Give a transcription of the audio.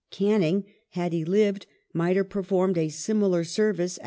^ Canning, had he lived, might have performed a similar service after 1830, ^Cf.